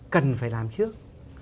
cần phải làm trước